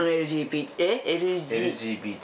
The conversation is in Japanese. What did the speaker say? ＬＧＢＴ。